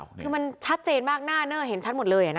คือมันชัดเจนมากหน้าเนอร์เห็นชัดหมดเลย